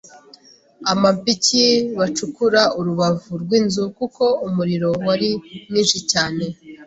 amapiki bacukura urubavu rw’inzu kuko umuriro wari mwinshi cyane